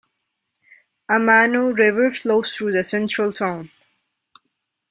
Amano River flows through the central town.